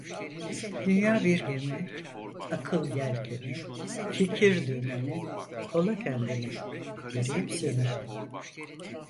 Dünya bir gemi, akıl yelkeni, fikir dümeni, kolla kendini, göreyim seni.